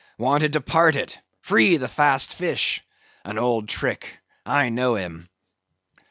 —wanted to part it; free the fast fish—an old trick—I know him."